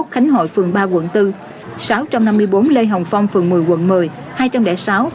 một trăm chín mươi một khánh hội phường ba quận bốn sáu trăm năm mươi bốn lê hồng phong phường một mươi quận một mươi